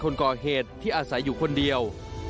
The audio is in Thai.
คนก่อเหตุที่อาศัยอยู่คนเดียว